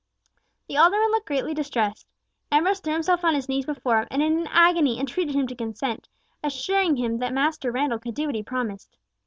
The alderman looked greatly distressed. Ambrose threw himself on his knees before him, and in an agony entreated him to consent, assuring him that Master Randall could do what he promised.